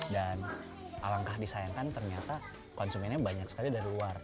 dan alangkah disayangkan ternyata konsumennya banyak sekali dari luar